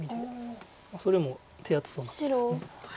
それも手厚そうな手です。